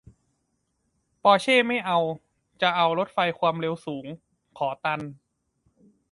ปอร์เช่ไม่เอา จะเอารถไฟความเร็วสูง ขอตัน